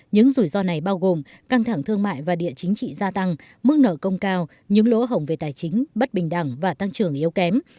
những rủi ro này bao gồm căng thẳng thương mại và địa chính trị gia tăng mức nợ công cao những lỗ hổng về tài chính bất bình đẳng và tăng trưởng yếu kém